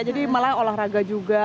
jadi malah olahraga juga